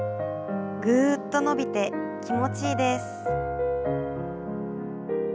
ぐっと伸びて気持ちいいです。